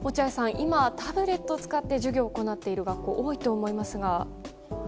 今タブレットを使って授業を行っている学校多いと思いますが。